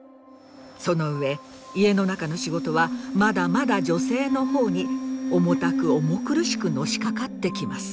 その上家の中の仕事はまだまだ女性の方に重たく重苦しくのしかかってきます。